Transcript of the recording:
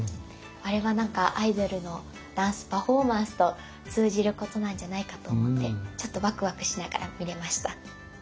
あれは何かアイドルのダンスパフォーマンスと通じることなんじゃないかと思ってちょっとワクワクしながら見れました。